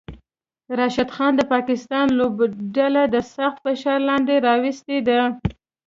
راشد خان د پاکستان لوبډله د سخت فشار لاندې راوستی ده